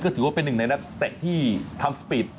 ถือว่าเป็นหนึ่งในนักเตะที่ทำสปีด